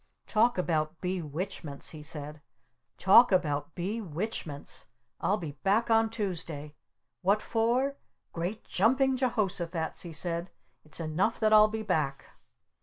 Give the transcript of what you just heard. "Talk about Be Witchments!" he said. "Talk about Be Witchments! I'll be back on Tuesday! What for? Great Jumping Jehosophats!" he said. "It's enough that I'll be back!"